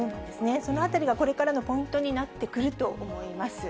そのあたりはこれからのポイントになってくると思います。